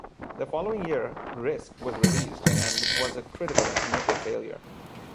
The following year, "Risk" was released, and was a critical and commercial failure.